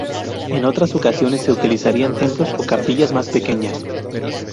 En otras ocasiones se utilizarían templos o capillas más pequeñas.